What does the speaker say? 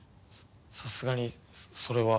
さすがにそれは。